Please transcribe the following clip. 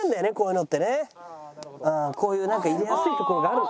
こういうなんか入れやすいところがある。